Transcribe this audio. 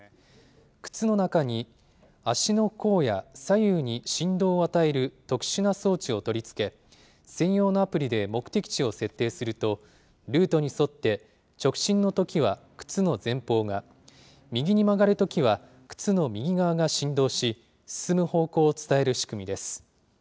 靴の中に足の甲や左右に振動を与える特殊な装置を取り付け、専用のアプリで目的地を設定すると、ルートに沿って、直進のときは靴の前方が、右に曲がるときは靴の右側が振動し、進む方向を伝える仕組みです。